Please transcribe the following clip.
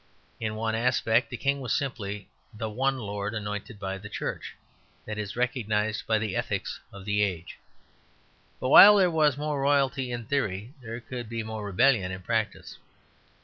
In one aspect the King was simply the one lord anointed by the Church, that is recognized by the ethics of the age. But while there was more royalty in theory, there could be more rebellion in practice.